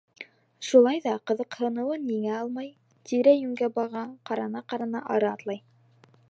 Шулай ҙа ҡыҙыҡһыныуын еңә алмай, тирә-йүнгә баға, ҡарана-ҡарана ары атлай.